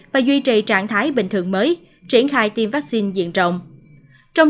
và duy trì trạng thái bình thường mới triển khai tiêm vaccine diện rộng